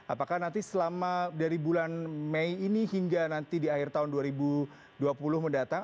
apakah nanti selama dari bulan mei ini hingga nanti di akhir tahun dua ribu dua puluh mendatang